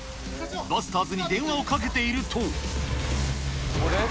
バスターズに電話をかけていると。